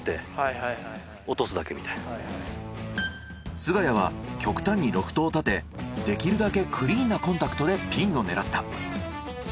菅谷は極端にロフトを立てできるだけクリーンなコンタクトでピンを狙った。